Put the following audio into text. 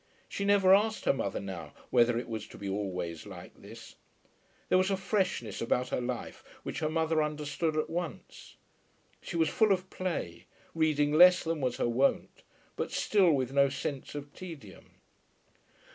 She never asked her mother now whether it was to be always like this. There was a freshness about her life which her mother understood at once. She was full of play, reading less than was her wont, but still with no sense of tedium.